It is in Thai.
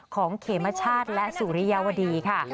ของเขมชาติและสุริยาวดีค่ะ